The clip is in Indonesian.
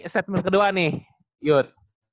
statement kedua nih yud